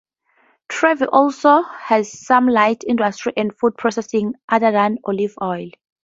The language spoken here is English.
Trevi also has some light industry and food processing other than olive oil.